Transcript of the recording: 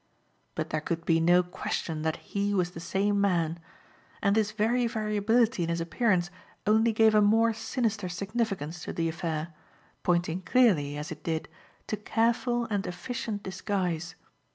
But there could be no question that he was the same man; and this very variability in his appearance only gave a more sinister significance to the affair, pointing clearly, as it did, to careful and efficient disguise.